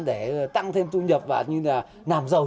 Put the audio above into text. để tăng thêm thu nhập và làm giàu